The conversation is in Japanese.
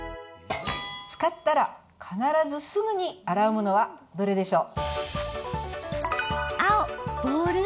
使ったら必ず、すぐに洗うものはどれでしょう？